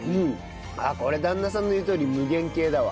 ああこれ旦那さんの言うとおり無限系だわ。